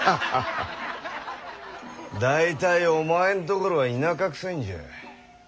大体お前んところは田舎くさいんじゃ。